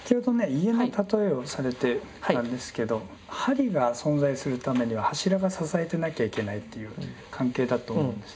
家の例えをされていたんですけど梁が存在するためには柱が支えてなきゃいけないという関係だと思うんです。